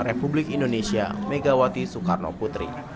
republik indonesia megawati soekarno putri